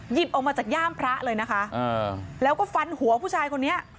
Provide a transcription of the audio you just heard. หยิบออกมาจากย่ามพระเลยนะคะแล้วก็ฟันหัวผู้ชายคนนี้